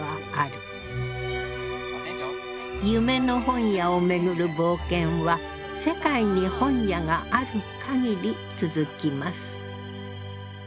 夢の本屋をめぐる冒険は世界に本屋がある限り続きます。